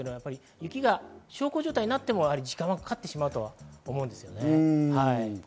雪が小康状態になっても時間はかかってしまうと思います。